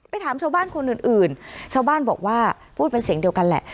ถามชาวบ้านคนอื่นชาวบ้านบอกว่าพูดเป็นเสียงเดียวกันแหละ